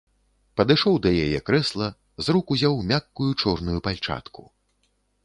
Падышоў да яе крэсла, з рук узяў мяккую чорную пальчатку.